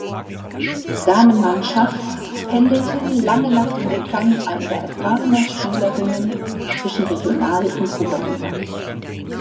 Damenmannschaft pendelten lange nach dem Weggang einiger erfahrener Spielerinnen zwischen Regional- und Oberliga.